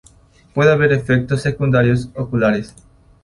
Puede haber efectos secundarios oculares.